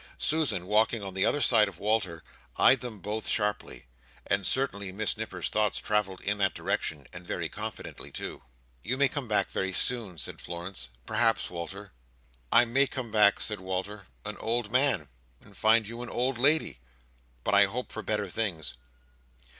Susan, walking on the other side of Walter, eyed them both sharply; and certainly Miss Nipper's thoughts travelled in that direction, and very confidently too. "You may come back very soon," said Florence, "perhaps, Walter." "I may come back," said Walter, "an old man, and find you an old lady. But I hope for better things."